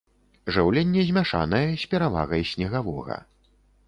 Жыўленне змяшанае, з перавагай снегавога.